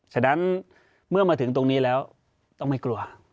ฉะนั้นเมื่อมาถึงตรงนี้แล้วต้องไม่กลัว